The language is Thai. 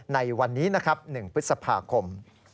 ในวันนี้๑พฤษภาคม